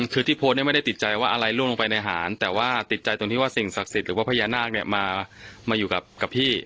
คือที่โพสต์เนี่ยไม่ได้ติดใจว่าอะไรล่วงลงไปในหารแต่ว่าติดใจตรงที่ว่าสิ่งศักดิ์สิทธิ์หรือว่าพญานาคเนี่ยมาอยู่กับพี่